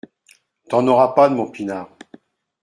T’en auras pas, de mon pinard